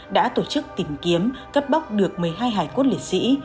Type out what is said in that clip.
đã tổ chức tìm kiếm cấp bóc được một mươi hai hải quốc liệt sĩ